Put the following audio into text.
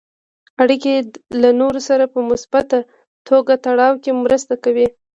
اړیکې له نورو سره په مثبته توګه تړاو کې مرسته کوي.